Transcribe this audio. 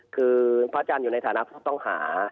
คือพระอาจารย์อยู่ในฐานะผู้ต้องหา